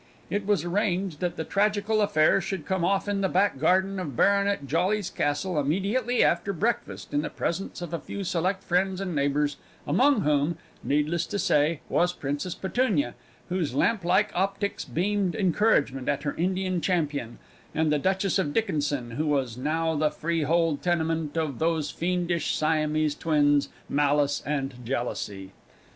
It was arranged that the tragical affair should come off in the back garden of Baronet Jolly's castle, immediately after breakfast, in the presence of a few select friends and neighbours, among whom needless to say was Princess Petunia, whose lamp like optics beamed encouragement to her Indian champion, and the Duchess of Dickinson, who was now the freehold tenement of those fiendish Siamese twins Malice and Jealousy.